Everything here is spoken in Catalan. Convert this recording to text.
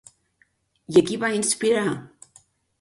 I a qui va inspirar?